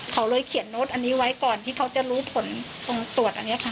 เขาเลยเขียนโน้ตอันนี้ไว้ก่อนที่เขาจะรู้ผลตรงตรวจอันนี้ค่ะ